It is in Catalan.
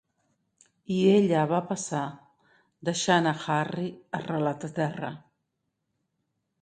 I ella va passar, deixant a Harry arrelat a terra.